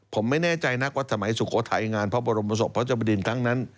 ผมไม่แน่ใจนักว่าสมัยสุโขทัยงานพระบรมศพพระจบดินครั้งนั้น